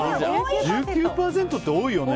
１９％って多いよね。